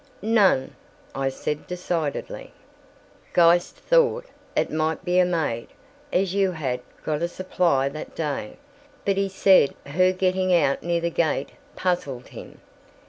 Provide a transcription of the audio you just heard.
"None," I said decidedly. "Geist thought it might be a maid, as you had got a supply that day. But he said her getting out near the gate puzzled him.